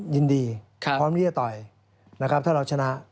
ยินดีพร้อมที่จะต่อยนะครับถ้าเราชนะ